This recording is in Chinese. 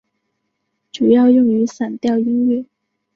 主要用于散调音乐。